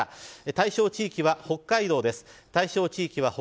対象地域は北海道です。